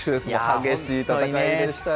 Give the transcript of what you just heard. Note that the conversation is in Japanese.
激しい戦いでしたね。